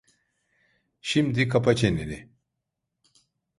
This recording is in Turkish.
Şimdi kapa çeneni.